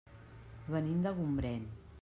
Venim de Gombrèn.